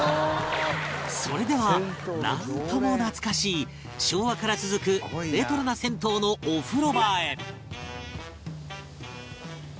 それではなんとも懐かしい昭和から続くレトロな銭湯のお風呂場へ